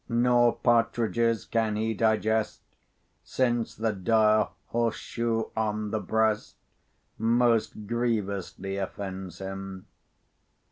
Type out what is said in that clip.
Nor partridges can he digest, Since the dire horse shoe on the breast Most grievously offends him.